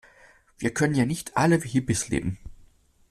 Wir können ja nicht alle wie Hippies leben.